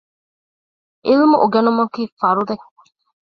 ޢިލްމު އުނގެނުމަކީ ފަރުޟެއް